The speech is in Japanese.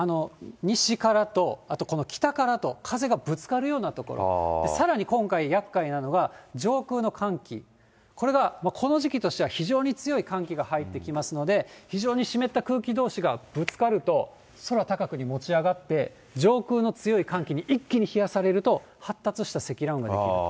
西からと、あとこの北からと、風がぶつかるようなところ、さらに今回、やっかいなのが、上空の寒気、これがこの時期としては非常に強い寒気が入ってきますので、非常に湿った空気どうしがぶつかると、空高くに持ち上がって、上空の強い寒気に一気に冷やされると、発達した積乱雲が出来る。